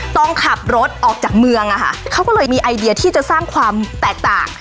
ต้องขับรถออกจากเมืองอะค่ะเขาก็เลยมีไอเดียที่จะสร้างความแตกต่าง